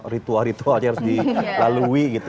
ritual ritual yang harus dilalui gitu